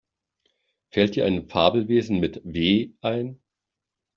Fällt dir ein Fabelwesen mit W ein?